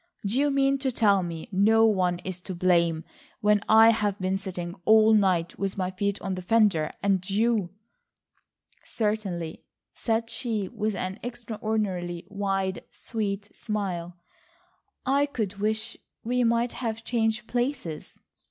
Do you mean to tell me no one is to blame when I have been sitting all night with my feet on the fender, and you—" "Certainly," said she with an extraordinarily wide, sweet smile, "I could wish we might have changed places."